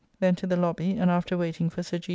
Then to the lobby, and after waiting for Sir G.